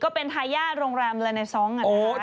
ก็เป็นทายาทโรงรามเรเนซองค์อ่ะนะคะ